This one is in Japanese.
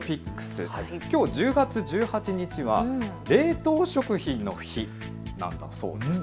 きょう１０月１８日は冷凍食品の日なんだそうです。